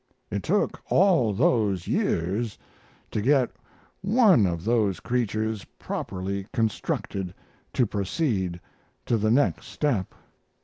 "It took all those years to get one of those creatures properly constructed to proceed to the next step.